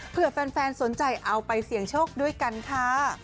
เพื่อแฟนสนใจเอาไปเสี่ยงโชคด้วยกันค่ะ